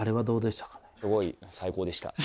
すごい最高でした。